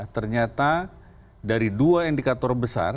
ternyata dari dua indikator besar